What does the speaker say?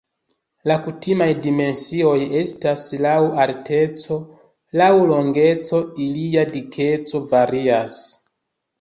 La kutimaj dimensioj estas laŭ alteco, laŭ longeco, ilia dikeco varias.